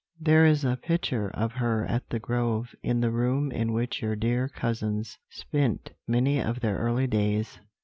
"There is a picture of her at The Grove in the room in which your dear cousins spent many of their early days.